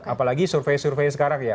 apalagi survei survei sekarang ya